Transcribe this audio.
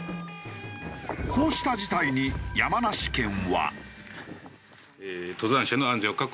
こうした事態に山梨県は。